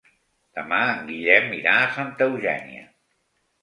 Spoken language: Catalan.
Demà en Guillem irà a Santa Eugènia.